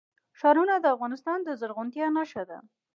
ښارونه د افغانستان د زرغونتیا نښه ده.